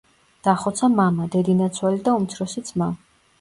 დახოცა მამა, დედინაცვალი და უმცროსი ძმა.